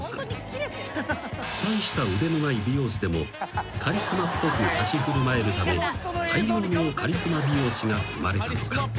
［大した腕のない美容師でもカリスマっぽく立ち振る舞えるため大量のカリスマ美容師が生まれたとか］